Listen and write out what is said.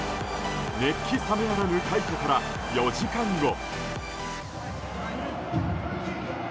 熱気冷めやらぬ快挙から４時間後。